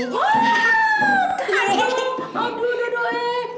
oh aduh aduh aduh eh